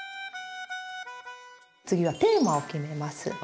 次はテーマを決めます。